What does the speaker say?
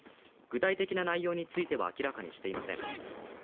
具体的な内容については明らかにしていません。